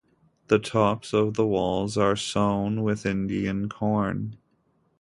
The tops of the walls are sown with Indian corn.